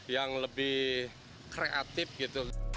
yang lebih kreatif gitu